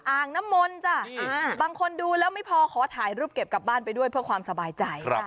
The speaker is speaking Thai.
อ่างน้ำมนต์จ้ะบางคนดูแล้วไม่พอขอถ่ายรูปเก็บกลับบ้านไปด้วยเพื่อความสบายใจ